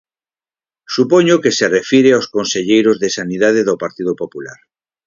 Supoño que se refire aos conselleiros de Sanidade do Partido Popular.